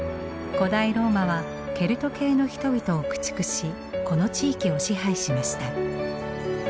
古代ローマはケルト系の人々を駆逐しこの地域を支配しました。